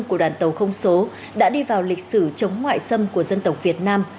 của đoàn tàu không số đã đi vào lịch sử chống ngoại xâm của dân tộc việt nam